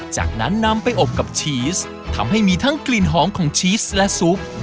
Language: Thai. จากนั้นนำไปอบกับชีสทำให้มีทั้งกลิ่นหอมของชีสและซุป